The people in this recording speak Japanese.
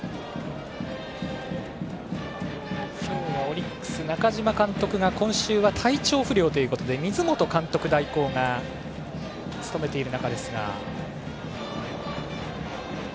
今日はオリックス、中嶋監督が今週は体調不良で水本監督代行が務めている中ですが。